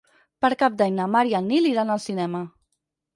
Per Cap d'Any na Mar i en Nil iran al cinema.